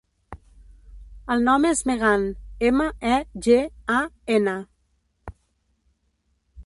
El nom és Megan: ema, e, ge, a, ena.